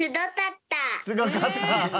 すごかった。